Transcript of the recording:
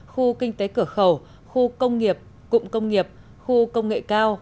khu kinh tế cửa khẩu khu công nghiệp cụm công nghiệp khu công nghệ cao